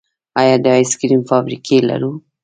آیا د آیس کریم فابریکې لرو؟